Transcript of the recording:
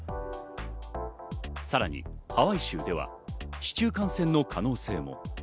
さらにハワイ州では市中感染の可能性も。